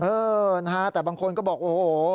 เออนะฮะแต่บางคนก็บอกโอ้โห